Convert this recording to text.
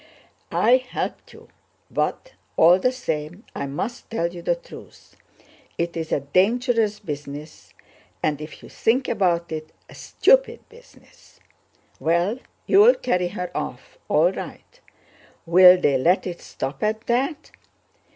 "I helped you, but all the same I must tell you the truth; it is a dangerous business, and if you think about it—a stupid business. Well, you'll carry her off—all right! Will they let it stop at that?